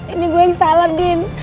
ini gue yang salah din